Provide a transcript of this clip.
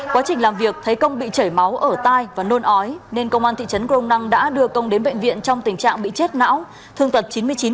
quá trình làm việc thấy công bị chảy máu ở tai và nôn ói nên công an thị trấn crong năng đã đưa công đến bệnh viện trong tình trạng bị chết não thương tật chín mươi chín